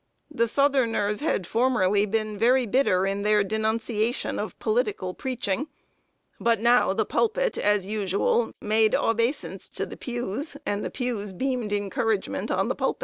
The southerners had formerly been very bitter in their denunciation of political preaching; but now the pulpit, as usual, made obeisance to the pews, and the pews beamed encouragement on the pulpit.